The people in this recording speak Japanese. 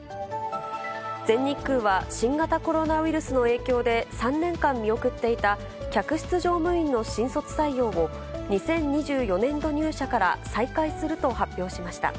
全日空は、新型コロナウイルスの影響で３年間見送っていた客室乗務員の新卒採用を、２０２４年度入社から再開すると発表しました。